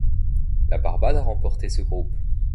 La Barbade a remporté ce groupe.